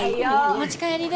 持ち帰りで。